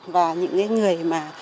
và những người mà